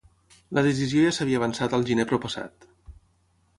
La decisió ja s’havia avançat al gener proppassat.